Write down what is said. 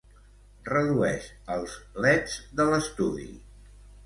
Redueix els leds de l'estudi.